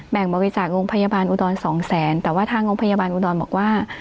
บริจาคโรงพยาบาลอุดรสองแสนแต่ว่าทางโรงพยาบาลอุดรบอกว่า